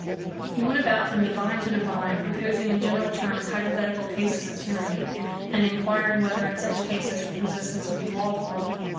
He went about from divine to divine proposing in general terms hypothetical cases of tyranny, and inquiring whether in such cases resistance would be lawful.